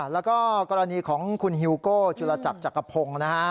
แล้วก็กรณีของคุณฮิวโก้จุลจักรจักรพงศ์นะฮะ